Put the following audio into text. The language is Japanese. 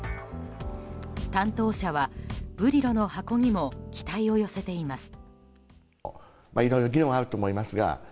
担当者は、「ブリロの箱」にも期待を寄せています。